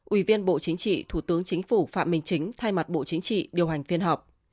ủy viên bộ chính trị thủ tướng chính phủ phạm minh chính thay mặt bộ chính trị điều hành phiên họp